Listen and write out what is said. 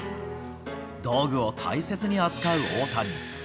道具を大切に扱う大谷。